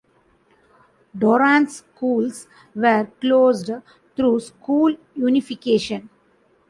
Dorrance schools were closed through school unification.